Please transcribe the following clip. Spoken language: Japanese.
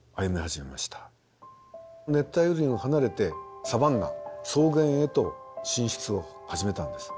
熱帯雨林を離れてサバンナ草原へと進出を始めたんです。